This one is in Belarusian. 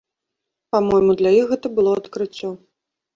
Па-мойму, для іх гэта было адкрыццё.